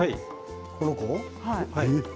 この子？